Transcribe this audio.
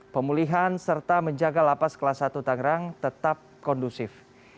pemulihan serta menjaga lapas kelas satu tangerang tetap kondusif